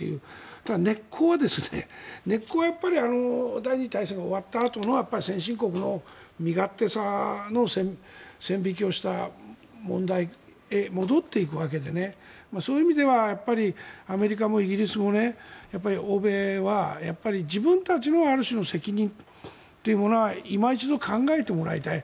ただ、根っこはやっぱり第２次大戦が終わったあとの先進国の身勝手さの線引きをした問題へ戻っていくわけでそういう意味ではアメリカもイギリスも欧米は自分たちのある種の責任というものはいま一度考えてもらいたい。